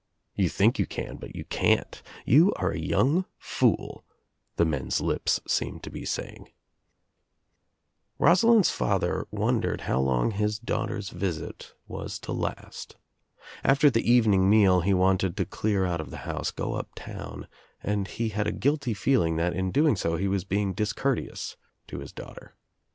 "You think ytm can but you can't. You are a young fool," the men's lips seemed to be saying. Rosalind's father wondered how long his daughter's OUT OF NOWHERE INTO NOTHING 24I visit was to last. After the evening meal he want ' to clear out of the house, go up town, and he ha> ' guilty feeling that in doing so he was being dis courteous to his daughter.